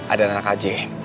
ada anak aj